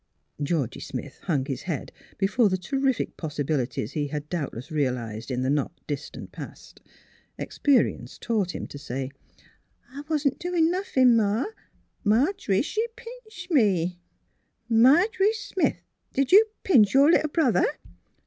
" Georgie Smith hung his head before the terrific possibilities he had doubtless realised in the not distant past. PLAYING MOTHER 263 Experience tauglit him to say :" I wasn't doin' notliin', Ma; Marg'ry, she pinched me !''^' Marg'ry Smith, did you pinch your little brother?